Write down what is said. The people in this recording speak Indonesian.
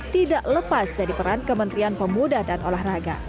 tidak lepas dari peran kementerian pemuda dan olahraga